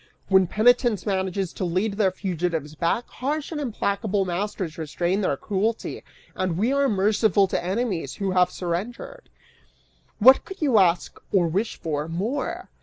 When penitence manages to lead their fugitives back, harsh and implacable masters restrain their cruelty, and we are merciful to enemies who have surrendered. What could you ask, or wish for, more?